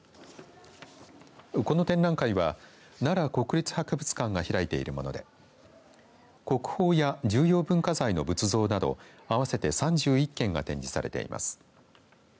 この展覧会は奈良国立博物館が開いているもので国宝や重要文化財の仏像など合わせて３１件が展示されています。